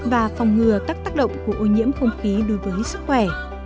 và phòng ngừa các tác động của ô nhiễm không khí đối với sức khỏe